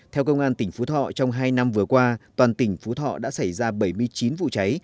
theo công an tỉnh phú thọ trong hai năm vừa qua toàn tỉnh phú thọ đã xảy ra bảy mươi chín vụ cháy